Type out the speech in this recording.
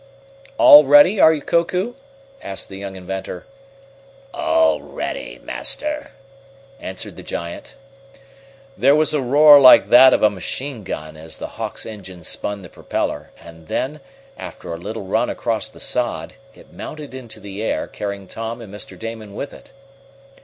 "All ready, are you, Koku?" asked the young inventor. "All ready, Master," answered the giant. There was a roar like that of a machine gun as the Hawk's engine spun the propeller, and then, after a little run across the sod, it mounted into the air, carrying Tom and Mr. Damon with it.